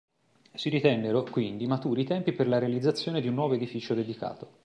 Si ritennero, quindi, maturi i tempi per la realizzazione di un nuovo edificio dedicato.